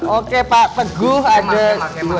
oke pak peguh ada dua ya